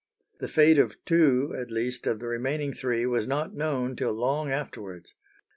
The fate of two at least of the remaining three was not known till long afterwards.